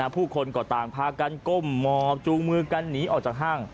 ผู้คนก็ต่างพากันก้มหมอบจูงมือกันหนีออกจากห้าง